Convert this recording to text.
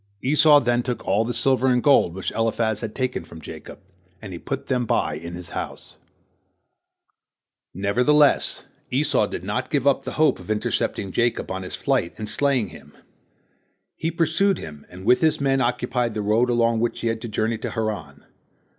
Esau then took all the silver and gold which Eliphaz had taken from Jacob, and he put them by in his house. Nevertheless Esau did not give up the hope of intercepting Jacob on his flight and slaying him. He pursued him, and with his men occupied the road along which he had to journey to Haran.